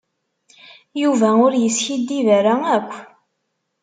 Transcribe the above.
Yuba ur yeskiddib ara akk.